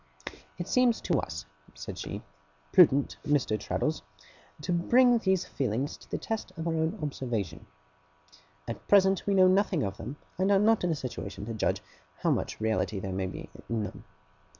'It seems to us,' said she, 'prudent, Mr. Traddles, to bring these feelings to the test of our own observation. At present we know nothing of them, and are not in a situation to judge how much reality there may be in them.